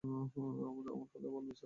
আমার কথা বলবে, স্যার।